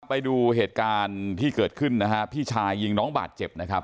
ไปดูเหตุการณ์ที่เกิดขึ้นนะฮะพี่ชายยิงน้องบาดเจ็บนะครับ